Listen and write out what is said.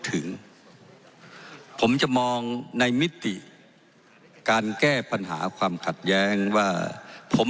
ถึงผมจะมองในมิติการแก้ปัญหาความขัดแย้งว่าผม